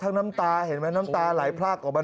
น้ำตาเห็นไหมน้ำตาไหลพลากออกมา